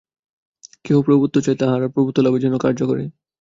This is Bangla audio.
কেহ প্রভুত্ব চায়, তাহারা প্রভুত্বলাভের জন্য কার্য করে।